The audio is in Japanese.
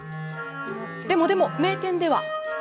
でもでも名店では。